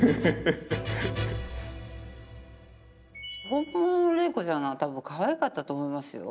本物の麗子ちゃんの方が多分かわいかったと思いますよ。